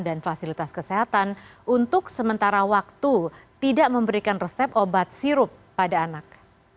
dan fasilitas kesehatan untuk sementara waktu tidak memberikan resep obat sirup pada anak